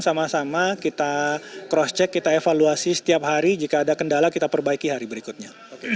sama sama kita cross check kita evaluasi setiap hari jika ada kendala kita perbaiki hari berikutnya